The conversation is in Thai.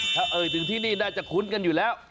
ถ้าเอ่ยถึงที่นี่น่าจะคุ้นกันอยู่แล้ว